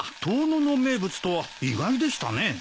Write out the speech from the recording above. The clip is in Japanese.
遠野の名物とは意外でしたね。